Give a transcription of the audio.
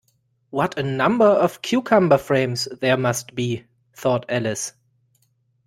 ‘What a number of cucumber-frames there must be!’ thought Alice.